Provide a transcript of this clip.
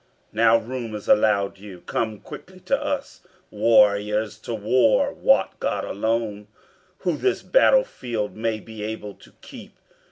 ] "Now room is allowed you, come quickly to us, Warriors to war; wot God alone Who this battle field may be able to keep."